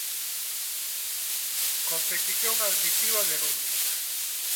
Competición admitiu a denuncia.